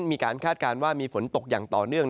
คาดการณ์ว่ามีฝนตกอย่างต่อเนื่อง